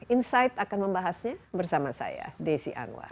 insight akan membahasnya bersama saya desi anwar